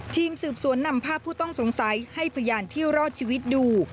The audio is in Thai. ทีมสืบสวนนำภาพผู้ต้องสงสัยให้พยานที่รอดชีวิตดู